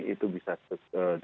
itu bisa diselamatkan